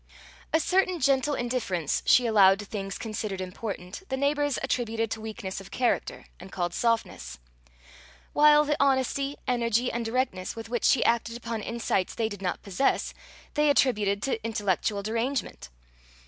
A certain gentle indifference she allowed to things considered important, the neighbours attributed to weakness of character, and called softness; while the honesty, energy, and directness with which she acted upon insights they did not possess, they attributed to intellectual derangement.